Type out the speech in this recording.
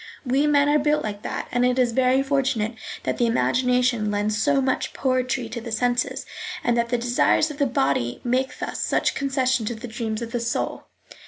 We men are built like that, and it is very fortunate that the imagination lends so much poetry to the senses, and that the desires of the body make thus such concession to the dreams of the soul.